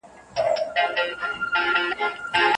په وروسته پاته هېوادونو کي صنعت کمزوری وي.